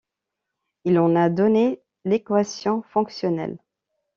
Il en a donné l'équation fonctionnelle.